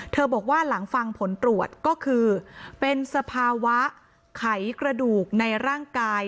บอกว่าหลังฟังผลตรวจก็คือเป็นสภาวะไขกระดูกในร่างกาย